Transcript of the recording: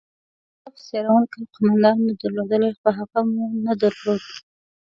یو صف څیرونکی قومندان مو درلودلای، خو هغه مو نه درلود.